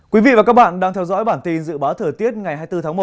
quý vị và các bạn đang theo dõi bản tin dự báo thời tiết ngày hai mươi bốn tháng một